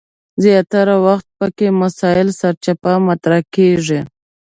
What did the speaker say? زیاتره وخت پکې مسایل سرچپه مطرح کیږي.